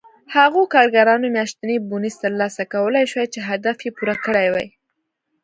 هغو کارګرانو میاشتنی بونېس ترلاسه کولای شوای چې هدف یې پوره کړی و